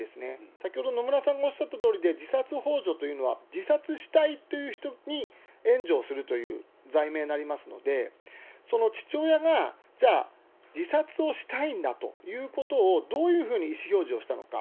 先ほど野村さんがおっしゃったとおりで、自殺ほう助というのは、自殺したいという人に援助をするという罪名になりますので、その父親が、じゃあ自殺をしたいんだということを、どういうふうに意思表示をしたのか。